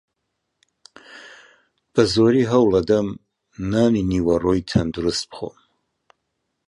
بەزۆری هەوڵدەدەم نانی نیوەڕۆی تەندروست بخۆم.